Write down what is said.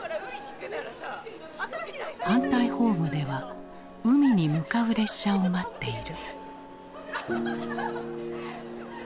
反対ホームでは海に向かう列車を待っている。